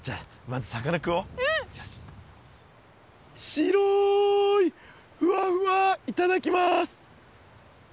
白いふわふわ頂きます。